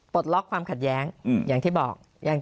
ล็อกความขัดแย้งอย่างที่บอก